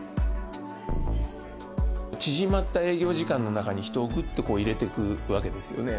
縮まった営業時間の中に、人をぐっと入れてくわけですよね。